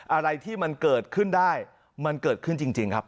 อะไรที่มันเกิดขึ้นได้มันเกิดขึ้นจริงครับ